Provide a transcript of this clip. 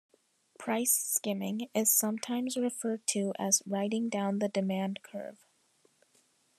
Price skimming is sometimes referred to as "riding down the demand curve".